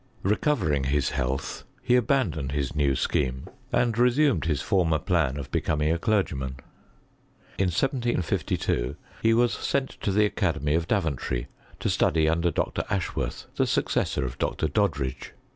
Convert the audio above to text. RecoTCF* ing his health, he abandoned his new scheme and resumed his former plan of becoming a clergymaiu In 1752 he was sent to the academy of Daventry, to study under Dr. Ashworth, the successor of Dr. Doddridge.